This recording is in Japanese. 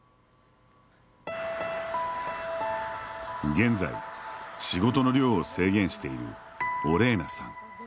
現在、仕事の量を制限しているオレーナさん。